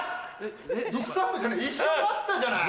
スタッフじゃない一緒になったじゃない！